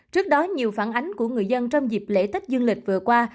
trước đó nhiều phản ánh của người dân trong dịp lễ tết dương lịch vừa qua